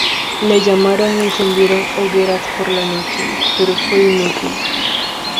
Le llamaron y encendieron hogueras por la noche, pero fue inútil.